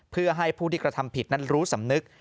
เพื่อให้ผู้ที่กระทำผิดนั้นรู้สำนึก